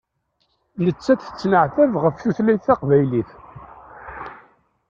Nettat tettneɛtab ɣef tutlayt taqbaylit.